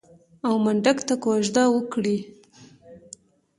او منډک ته کوژده وکړي.